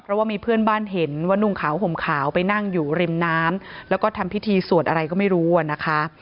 เพราะว่ามีเพื่อนบ้านเห็นว่านุ่งขาวห่มขาวไปนั่งอยู่ริมน้ำแล้วก็ทำพิธีสวดอะไรก็ไม่รู้อ่ะนะคะ